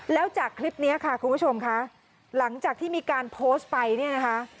แล้วจากคลิปนี้ค่ะคุณผู้ชมค่ะหลังจากที่มีการโพสต์ไปเนี่ยนะคะ